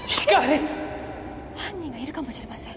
犯人がいるかもしれません。